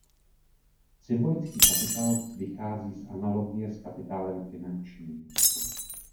Symbolický kapitál vychází z analogie s kapitálem finančním.